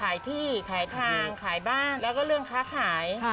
ขายที่ขายทางขายบ้านแล้วก็เรื่องค้าขาย